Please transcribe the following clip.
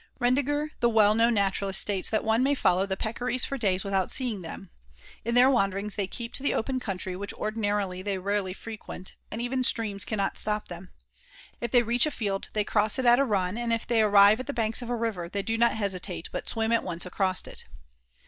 Rendgger, the well known naturalist, states that one may follow the Peccaries for days without seeing them. In their wanderings they keep to the open country, which ordinarily they rarely frequent, and even streams cannot stop them. If they reach a field they cross it at a run, and if they arrive at the banks of a river they do not hesitate but swim at once across it.